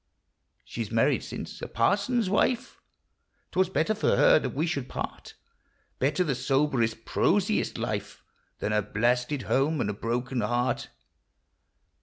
She's married since, — a parson's wife ; 'T was better for her that we should part, — LIFE. 2G3 Better the soberest, prosiest life Than a blasted home and a broken heart.